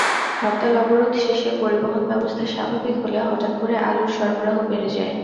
হরতাল-অবরোধ শেষে পরিবহনব্যবস্থা স্বাভাবিক হলে হঠাৎ করে আলুর সরবরাহ বেড়ে যায়।